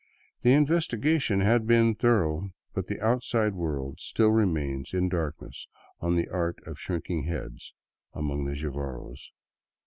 The investigation had been thorough; but the outside world still remains in darkness on the art of shrinking heads among the Jivaros.